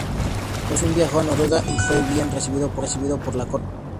Thorfinn viajó a Noruega y fue bien recibido por la corte real.